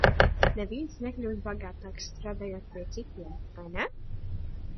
Neviens nekļūst bagāts, strādājot pie citiem, vai ne?